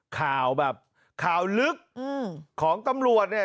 ข่าวแบบข่าวลึกของตำรวจเนี่ย